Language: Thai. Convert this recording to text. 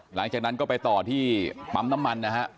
หลังจากนั้นก็ไปต่อที่ปั๊มน้ำมันนะฮะ